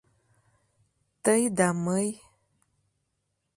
Тый да мый.